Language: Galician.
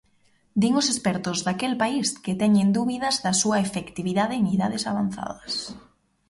Din os expertos daquel país que teñen dúbidas da súa efectividade en idades avanzadas.